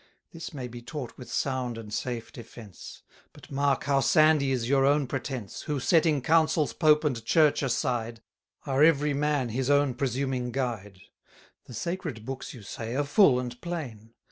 This may be taught with sound and safe defence; But mark how sandy is your own pretence, Who, setting Councils, Pope, and Church aside, Are every man his own presuming guide. The Sacred Books, you say, are full and plain.